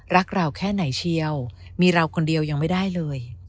รักเราแค่ไหนเชียวมีเราคนเดียวยังไม่ได้เลย